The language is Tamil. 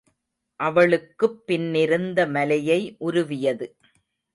அவளுக்குப்பின்னிருந்த மலையை உருவியது.